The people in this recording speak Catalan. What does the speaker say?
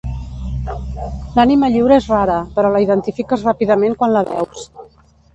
L'ànima lliure és rara però la identifiques ràpidament quan la veus.